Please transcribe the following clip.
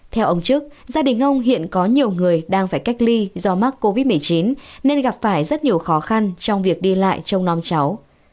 theo ông trức gia đình ông hiện có nhiều người đang phải cách ly do mắc covid một mươi chín nên gặp phải rất nhiều khó khăn trong việc đi lại trong non cháu